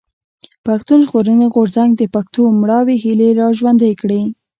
پښتون ژغورني غورځنګ د پښتنو مړاوي هيلې را ژوندۍ کړې.